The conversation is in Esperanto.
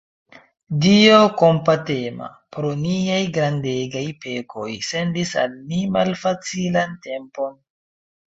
Dio kompatema, pro niaj grandegaj pekoj, sendis al ni malfacilan tempon.